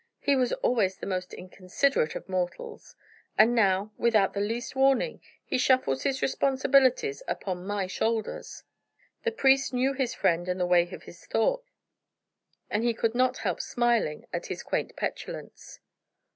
He was always the most inconsiderate of mortals; and now, without the least warning, he shuffles his responsibilities upon my shoulders." The priest knew his friend and the way of his thought, and he could not help smiling at his quaint petulance.